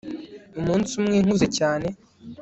umunsi umwe nkuze cyane